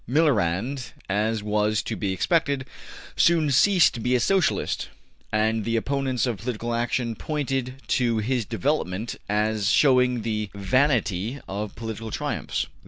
Millerand, as was to be expected, soon ceased to be a Socialist, and the opponents of political action pointed to his development as showing the vanity of political triumphs.